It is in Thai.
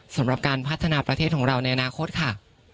สำหรับการพัฒนาประเทศของเราในอนาคตค่ะ